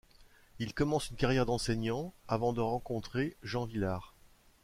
Il commence une carrière d'enseignant, avant de rencontrer Jean Vilar.